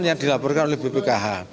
yang dilaporkan oleh bpih